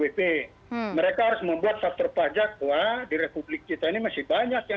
wus alpha ok the pain mereka harus membuat fakta pahjat wah di republik kita ini masih banyak yang